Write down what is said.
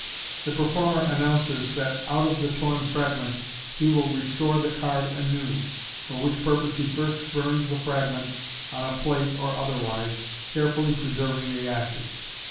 The performer an nounces that out of the torn fragments he will restore the card anew4 for which purpose he first burns the fragments on a plate or otherwise, carefully preserving the ashes.